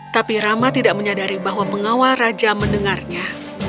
tapi rama tidak menyadari bahwa mengawal raja mendengarnya